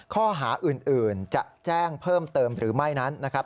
ข้อหาอื่นจะแจ้งเพิ่มเติมหรือไม่นั้นนะครับ